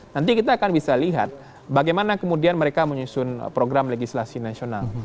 nanti kita akan bisa lihat bagaimana kemudian mereka menyusun program legislasi nasional